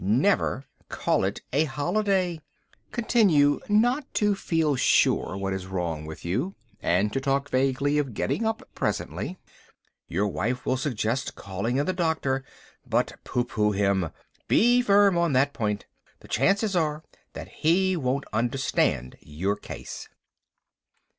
Never call it a holiday. Continue not to feel sure what is wrong with you, and to talk vaguely of getting up presently. Your wife will suggest calling in the doctor, but pooh pooh him. Be firm on that point. The chances are that he won't understand your case.